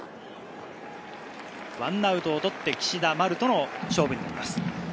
１アウトを取って、岸田、丸との勝負に行きます。